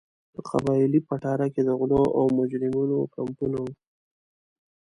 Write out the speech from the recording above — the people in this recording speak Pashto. په قبایلي پټاره کې د غلو او مجرمینو کمپونه وو.